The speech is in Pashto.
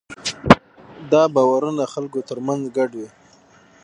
دا باورونه د خلکو ترمنځ ګډ وي.